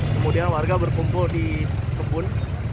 kemudian warga berkumpul di kebun